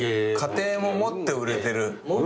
家庭も持って売れてる。